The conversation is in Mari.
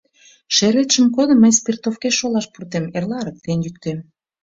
— Шӧретшым кодо, мый спиртовкеш шолаш пуртем, эрла ырыктен йӱктем.